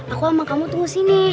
aku sama kamu tunggu sini